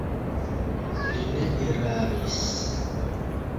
Li ne eraris.